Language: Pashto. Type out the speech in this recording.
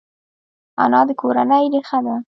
انا د کورنۍ ریښه ده